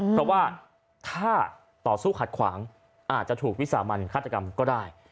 เพราะว่าถ้าต่อสู้ขัดขวางอาจจะถูกวิสามันฆาตกรรมก็ได้